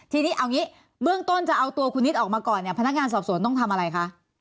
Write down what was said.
ทีนี้เอางี้เบื้องต้นจะเอาตัวคุณนิดออกมาก่อนเนี่ยพนักงานสอบสวนต้องทำอะไรคะ